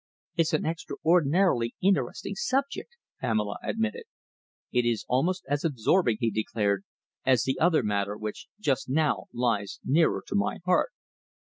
"It's an extraordinarily interesting subject," Pamela admitted. "It is almost as absorbing," he declared, "as the other matter which just now lies even nearer to my heart."